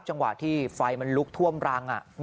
จังหวะที่ไฟมันลุกท่วมรัง